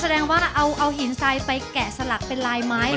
แสดงว่าเอาหินทรายไปแกะสลักเป็นลายไม้เหรอ